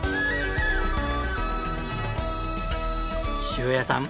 塩谷さん